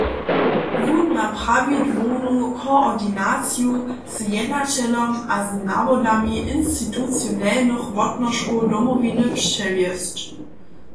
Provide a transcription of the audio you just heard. Wón ma prawidłownu koordinaciju z jednaćelom a z nawodami institucionelnych wotnožkow Domowiny přewjesć.